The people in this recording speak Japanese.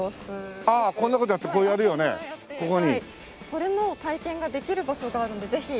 それの体験ができる場所があるのでぜひ。